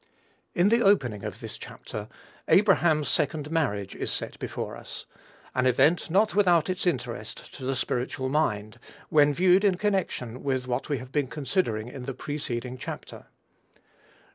In the opening of this chapter, Abraham's second marriage is set before us, an event not without its interest to the spiritual mind, when viewed in connection with what we have been considering in the preceding chapter.